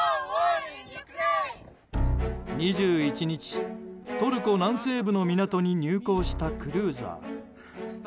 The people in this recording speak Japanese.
２１日、トルコ南西部の港に入港したクルーザー。